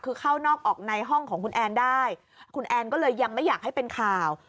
คือเข้านอกออกในห้องของคุณแอนได้คุณแอนก็เลยยังไม่อยากให้เป็นข่าว